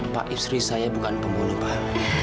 pak istri saya bukan pembuluh pak